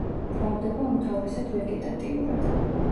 მრავლდება უმთავრესად ვეგეტატიურად.